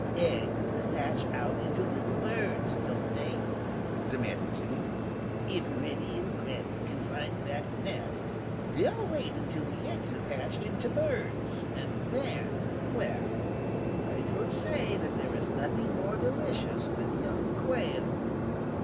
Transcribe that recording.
"Eggs hatch out into little birds, don't they?" demanded Jimmy. "If Reddy and Granny can find that nest, they'll wait until the eggs have hatched into birds and then, well, I've heard say that there is nothing more delicious than young Quail.